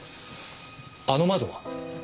あの窓は？